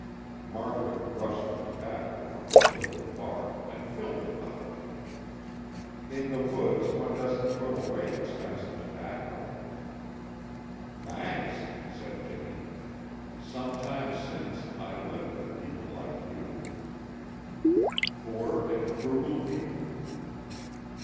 Margaret brushed the tobacco from a flake of bark, and filled the pouch. "In the woods, one doesn't throw away expensive tobacco." "Thanks!" said Jimmy. "Some time since, I lived with people like you." "Poor and frugal people?"